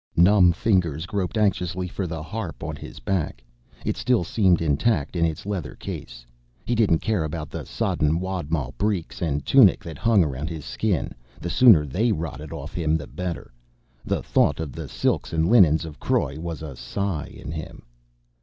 Numb fingers groped anxiously for the harp on his back. It still seemed intact in its leather case. He didn't care about the sodden wadmal breeks and tunic that hung around his skin. The sooner they rotted off him, the better. The thought of the silks and linens of Croy was a sigh in him.